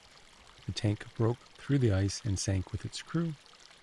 The tank broke through the ice and sank with its crew.